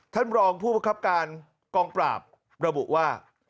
ท่านรองผู้ประคับการกองปราบระบุว่า